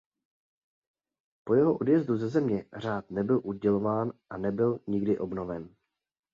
Po jeho odjezdu ze země řád nebyl udělován a nebyl nikdy obnoven.